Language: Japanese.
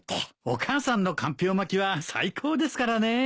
お母さんのかんぴょう巻きは最高ですからね。